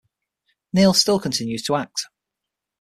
Neal still continues to act.